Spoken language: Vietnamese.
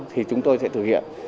thì chúng tôi sẽ thực hiện